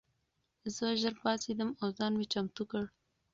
زه ژر پاڅېدم او ځان مې چمتو کړ.